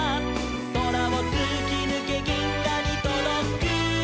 「そらをつきぬけぎんがにとどく」